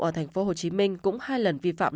ở thành phố hồ chí minh cũng hai lần vi phạm